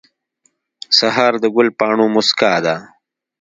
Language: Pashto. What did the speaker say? سهار د ګل پاڼو موسکا ده.